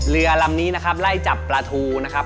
เรือลำนี้นะครับไล่จับปลาทูนะครับ